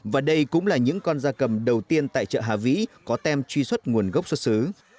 và đây cũng là những con da cầm đầu tiên tại chợ hà vĩ có tem truy xuất nguồn gốc xuất xứ